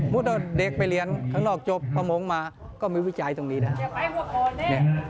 เด็กไปเรียนข้างนอกจบประมงมาก็มีวิจัยตรงนี้นะ